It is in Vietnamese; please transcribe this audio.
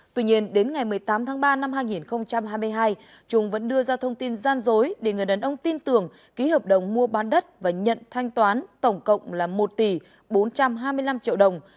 tuy nhiên đến ngày một mươi tám tháng ba năm hai nghìn hai mươi hai trung vẫn đưa ra thông tin gian dối để người đàn ông tin tưởng ký hợp đồng mua bán đất và nhận thanh toán tổng cộng là một tỷ bốn trăm hai mươi năm triệu đồng